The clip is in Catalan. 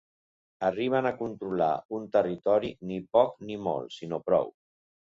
Arribant a controlar un territori ni poc ni molt, sinó prou.